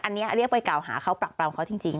อันนี้เรียกไปกล่าวหาเขาปรักปรำเขาจริง